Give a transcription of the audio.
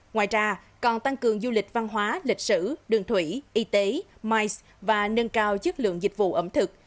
ngoài ra còn tăng cường du lịch văn hóa lịch sử đường thủy y tế mice và nâng cao chất lượng dịch vụ ẩm thực